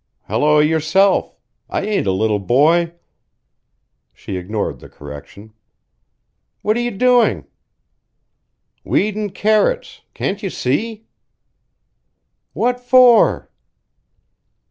"Hello yourself! I ain't a little boy." She ignored the correction. "What are you doing?" "Weedin' carrots. Can't you see?" "What for?"